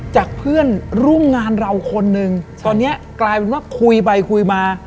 จากเพื่อนร่วมงานเราคนนึงตอนนี้กลายเป็นว่าคุยไปคุยมา